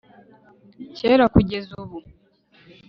kera kugeza ubu